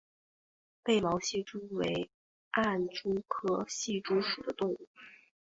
被毛隙蛛为暗蛛科隙蛛属的动物。